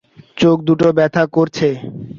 চোখদুটো ব্যথা করছে!